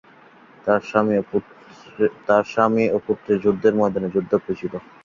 তার স্বামী ও পুত্র যুদ্ধের ময়দানে যুদ্ধ করছিল।